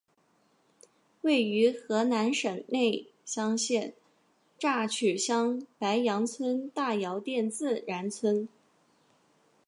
位于河南省内乡县乍曲乡白杨村大窑店自然村。